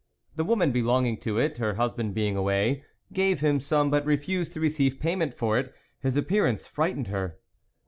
The woman belonging to it, her husband being away, gave him some, but refused to receive payment for it ; his appearance frightened her.